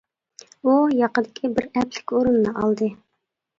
ئۇ ياقىدىكى بىر ئەپلىك ئورۇننى ئالدى.